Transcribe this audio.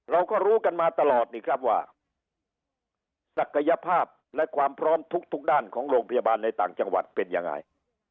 เราก็รู้กันมาตลอดนี่ครับว่าศักยภาพและความพร้อมทุกด้านของโรงพยาบาลในต่างจังหวัดเป็นยังไง